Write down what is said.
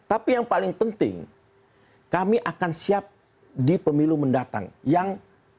tapi yang paling penting kami akan siap di pemilu mendatang yang dua ribu dua puluh empat